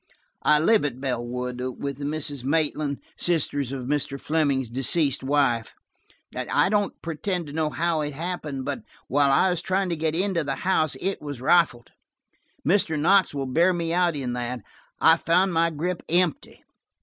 I live at Bellwood, with the Misses Maitland, sisters of Mr. Fleming's deceased wife. I don't pretend to know how it happened, but while I was trying to get into the house it was rifled. Mr. Knox will bear me out in that. I found my grip empty."